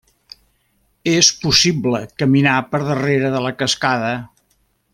És possible caminar per darrere de la cascada.